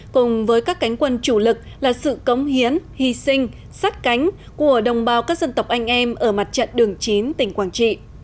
cùng với các cánh quân chủ lực là sự cống hiến hy sinh sát cánh của đồng bào các dân tộc anh em ở mặt trận đường chín tỉnh quảng trị